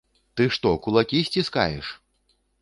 Ты што кулакі сціскаеш?